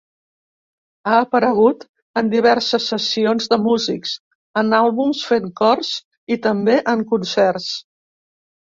Ha aparegut en diverses sessions de músics, en àlbums fent cors i també en concerts.